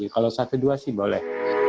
kalau satu dua sih boleh